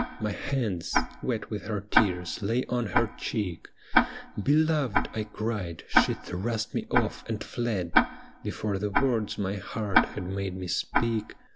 My hands, wet with her tears, lay on her cheek. ' Beloved !' I cried, she thrust me off and fled Before the words my heart had made me speak.